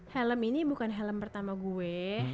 helm ini bukan helm pertama gue